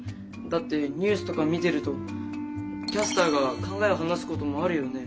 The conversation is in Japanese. だってニュースとか見てるとキャスターが考えを話すこともあるよね。